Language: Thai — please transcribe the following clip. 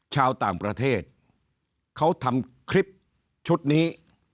ชาวต่างประเทศเขาทำคลิปชุดนี้